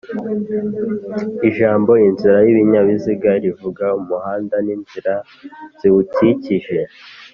Ijambo "inzira y'ibinyabiziga", rivuga umuhanda n'inzira ziwukikije